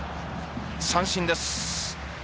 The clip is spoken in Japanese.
三振です。